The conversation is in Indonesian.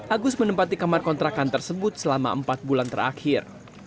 agus menempati kamar kontrakan tersebut selama empat bulan terakhir